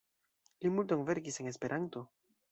Li multon verkis en Esperanto.